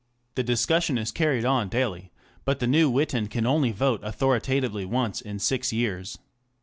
The discussion is carried on daily, but the new Witan can only vote authoritatively once in six years.